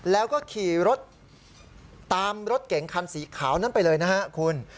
แล้วก็ขี่รถตามรถเก๋งคันสีขาวนั้นไปเลยนะฮะคุณ